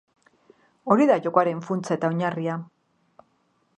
Hori da jokoaren funtsa eta oinarria.